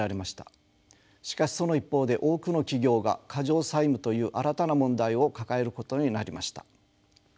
しかしその一方で多くの企業が過剰債務という新たな問題を抱えることになりました。